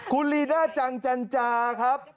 คุณลีน่าจังจันจาครับ